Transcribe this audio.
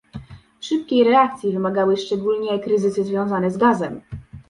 Szybkiej reakcji wymagały szczególnie kryzysy związane z gazem